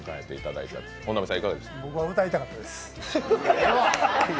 僕は歌いたかったです。